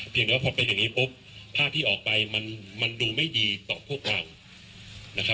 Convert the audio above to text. เดี๋ยวพอเป็นอย่างนี้ปุ๊บภาพที่ออกไปมันดูไม่ดีต่อพวกเรานะครับ